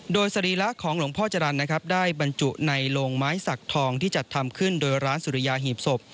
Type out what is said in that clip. โดยสรีระของหลวงพ่อจรรย์นะครับได้บรรจุในโรงไม้สักทองที่จัดทำขึ้นโดยร้านสุริยาหีบศพ